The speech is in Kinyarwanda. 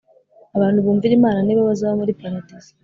Abantu bumvira Imana ni bo bazaba muri paradiz